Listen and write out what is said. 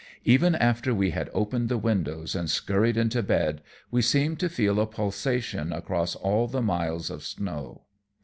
Even after we had opened the windows and scurried into bed, we seemed to feel a pulsation across all the miles of snow.